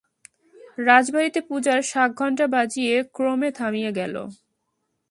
রাজবাটিতে পূজার শাঁক ঘণ্টা বাজিয়া ক্রমে থামিয়া গেল।